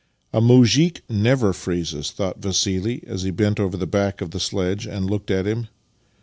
" A muzhik never freezes," thought Vassili as he bent over the back of the sledge and looked at him.